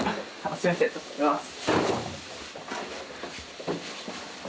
すいません取ってきます。